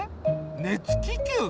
熱気球？